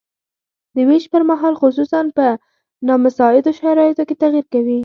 د ویش پرمهال خصوصاً په نامساعدو شرایطو کې تغیر کوي.